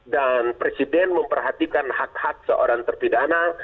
dan presiden memperhatikan hak hak seorang terpidana